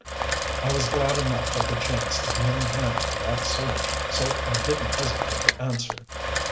I was glad enough of the chance to be on hand for that search, so I didn't hesitate to answer.